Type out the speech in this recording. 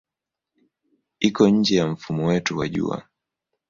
Iko nje ya mfumo wetu wa Jua.